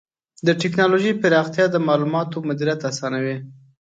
د ټکنالوجۍ پراختیا د معلوماتو مدیریت آسانوي.